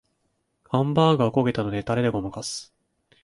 ハンバーグが焦げたのでタレでごまかす